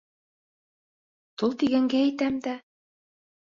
Тол тигәнгә әйтәм дә.